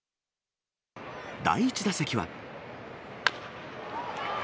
第１打席は。